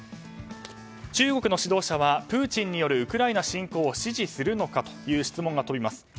中国の指導者はプーチンによるウクライナ侵攻を支持するのかという質問が飛びます。